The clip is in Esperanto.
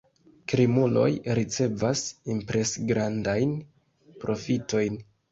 Krimuloj ricevas impresgrandajn profitojn.